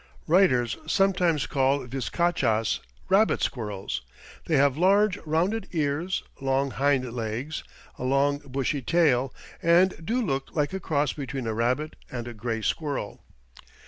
Writers sometimes call viscachas "rabbit squirrels." They have large, rounded ears, long hind legs, a long, bushy tail, and do look like a cross between a rabbit and a gray squirrel.